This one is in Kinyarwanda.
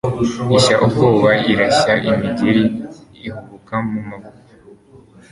ishya ubwoba irashya imigeri, ihubuka mu maboko